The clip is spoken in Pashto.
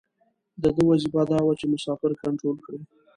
د ده وظیفه دا وه چې مسافر کنترول کړي.